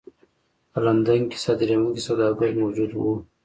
په لندن کې صادروونکي سوداګر موجود وو.